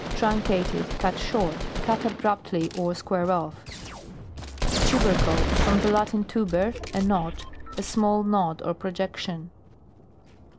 TRUNCATED. Cut short. Cut abrupt ly, or square off. TUBERCLE. From the Latin, tuber, a knot, a small knot or projection.